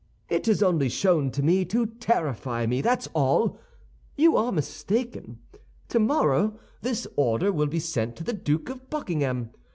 It is only shown to me to terrify me, that's all.' You are mistaken. Tomorrow this order will be sent to the Duke of Buckingham.